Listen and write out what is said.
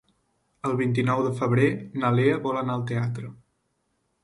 El vint-i-nou de febrer na Lea vol anar al teatre.